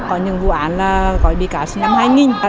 có những vụ án là có bị cáo sinh năm hai nghìn